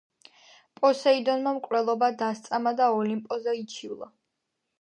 პოსეიდონმა მკვლელობა დასწამა და ოლიმპოზე იჩივლა.